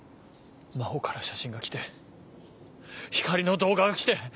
真帆から写真が来て光莉の動画が来て。